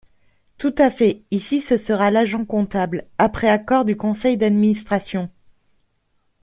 Tout à fait ! Ici, ce sera l’agent comptable, après accord du conseil d’administration.